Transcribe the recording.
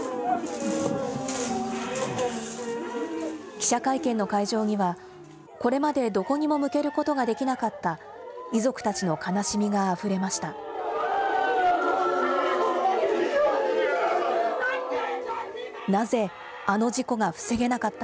記者会見の会場には、これまでどこにも向けることができなかった遺族たちの悲しみがあふれました。